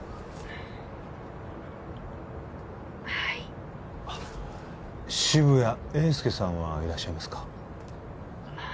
はい渋谷英輔さんはいらっしゃいますか？